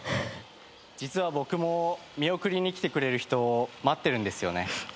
実は僕も見送りに来てくれる人待ってるんですよね。